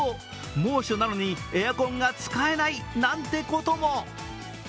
猛暑なのにエアコンが使えないなんてことも。